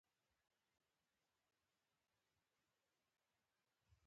چې دَپښتو دَاستعمال دَجديد دور سره زيات توپير نۀ لري